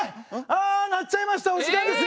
あ鳴っちゃいましたお時間ですね。